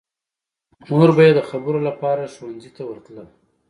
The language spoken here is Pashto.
مور به یې د خبرو لپاره ښوونځي ته ورتله